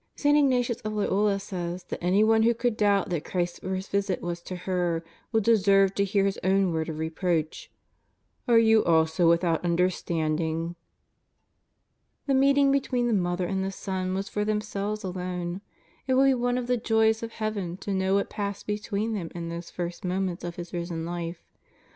St. Ig natius of Loyola says that anyone who could doubt that Christ's first visit was to her, would deserve to hear His own word of reproach: "Are you also with out understanding ?" The meeting between the Mother and the Son was for themselves alone. It will be one of the joys of Heaven to know what passed between them in those first moments of His Risen Life.